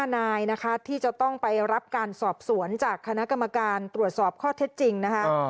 ๕นายนะคะที่จะต้องไปรับการสอบสวนจากคณะกรรมการตรวจสอบข้อเท็จจริงนะคะ